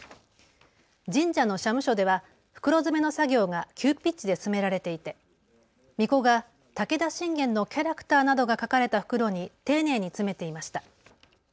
神社の社務所では袋詰めの作業が急ピッチで進められていてみこが武田信玄のキャラクターなどが描かれた袋に丁寧に詰めていました。